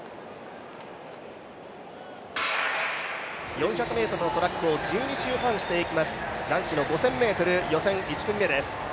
４００ｍのトラックを１２周半していきます、男子５０００、予選１組目です。